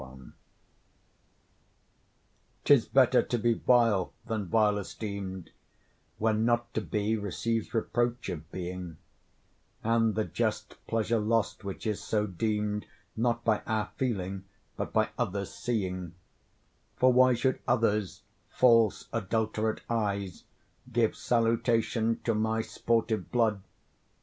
CXXI 'Tis better to be vile than vile esteem'd, When not to be receives reproach of being; And the just pleasure lost, which is so deem'd Not by our feeling, but by others' seeing: For why should others' false adulterate eyes Give salutation to my sportive blood?